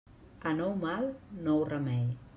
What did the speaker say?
A nou mal, nou remei.